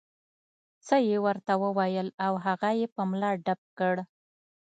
څه یې ورته وویل او هغه یې په ملا ډب کړ.